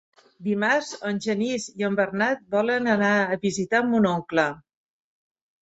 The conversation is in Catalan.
Dimarts en Genís i en Bernat volen anar a visitar mon oncle.